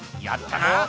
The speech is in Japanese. やったな」